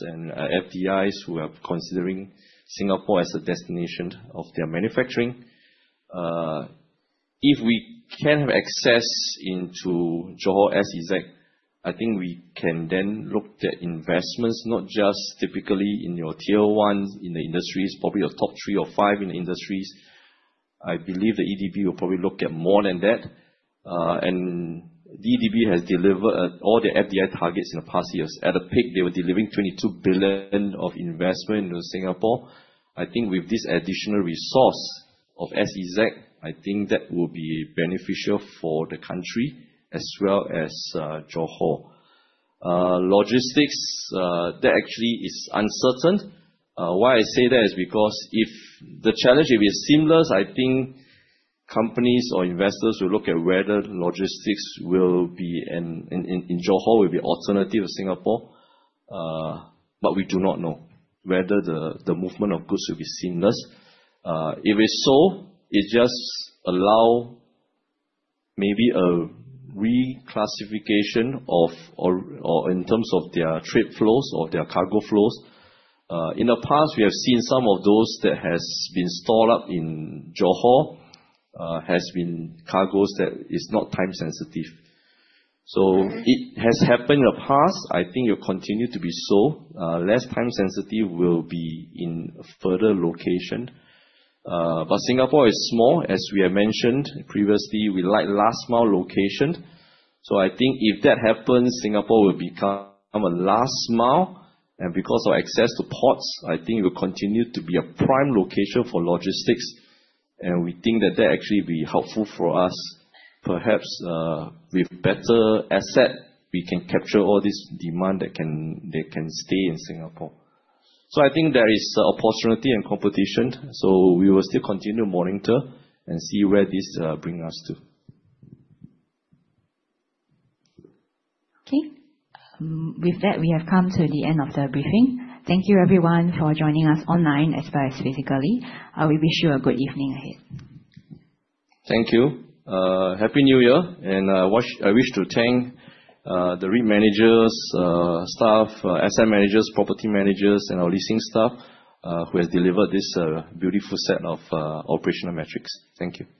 and FDIs who are considering Singapore as a destination of their manufacturing. If we can have access into Johor SEZ, I think we can then look at investments, not just typically in your tier 1 in the industries, probably your top 3 or 5 in the industries. I believe the EDB will probably look at more than that. The EDB has delivered all the FDI targets in the past years. At a peak, they were delivering 22 billion of investment into Singapore. I think with this additional resource of SEZ, I think that will be beneficial for the country as well as Johor. Logistics, that actually is uncertain. Why I say that is because if the challenge, if it's seamless, I think companies or investors will look at whether logistics will be in Johor, will be alternative to Singapore. We do not know whether the movement of goods will be seamless. If it's so, it just allow maybe a reclassification or in terms of their trade flows or their cargo flows. In the past we have seen some of those that has been stored up in Johor, has been cargos that is not time sensitive. It has happened in the past. I think it will continue to be so. Less time sensitive will be in further location. Singapore is small, as we have mentioned previously. We like last mile location. I think if that happens, Singapore will become a last mile, and because of access to ports, I think it will continue to be a prime location for logistics, and we think that that actually be helpful for us. Perhaps, with better asset, we can capture all this demand that can stay in Singapore. I think there is opportunity and competition. We will still continue to monitor and see where this bring us to. Okay. With that, we have come to the end of the briefing. Thank you everyone for joining us online as well as physically. We wish you a good evening ahead. Thank you. Happy New Year. I wish to thank the REIT managers, staff, asset managers, property managers, and our leasing staff, who have delivered this beautiful set of operational metrics. Thank you.